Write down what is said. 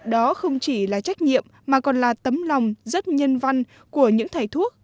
đó không chỉ là trách nhiệm mà còn là tấm lòng rất nhân văn của những thầy thuốc